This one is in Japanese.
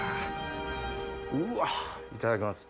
うわいただきます。